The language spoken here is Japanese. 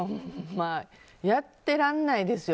やってらんないですよ